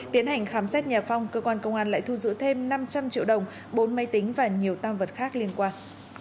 tiến hành khám xét nhà phong cơ quan công an lại thu giữ thêm năm trăm linh triệu đồng bốn máy tính và nhiều tam vật khác liên quan